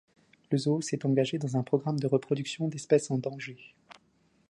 Le zoo s'est engagé dans un programme de reproduction d'espèces en danger.